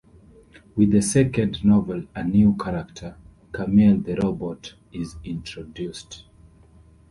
With the second novel a new character, Camiel the robot, is introduced.